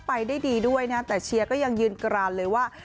ไปได้ดีด้วยนะแต่เชียร์ก็ยังยืนกรานเลยว่า